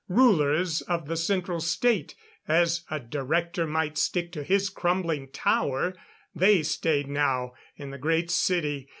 Rulers of the Central State, as a Director might stick to his crumbling Tower, they stayed now in the Great City.